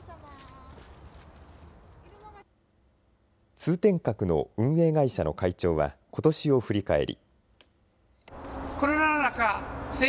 通天閣の運営会社の会長はことしを振り返り。